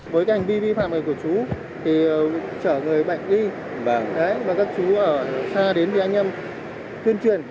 với hành vi vi phạm này của chú chở người bệnh đi và các chú ở xa đến đi anh em tuyên truyền